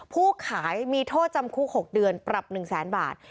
ผู้ขายมีโทษจำคุก๖เดือนปรับ๑แสนบาท